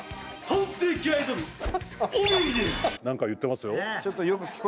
何か言ってますよ。